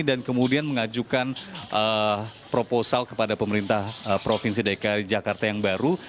dan kemudian mengajukan proposal kepada pemerintah provinsi dki jakarta yang baru